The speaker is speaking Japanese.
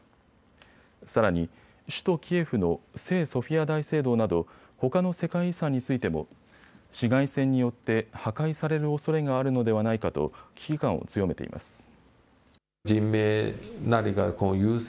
さらに首都キエフの聖ソフィア大聖堂などほかの世界遺産についても市街戦によって破壊されるおそれがあるのではないかと危機感を強めています。